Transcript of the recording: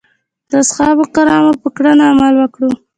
د اصحابو کرامو په کړنو عمل وکړو.